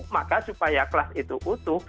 maka supaya kelas itu utuh